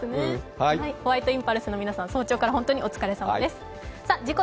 ホワイトインパルスの皆さん、早朝から本当にお疲れさまです。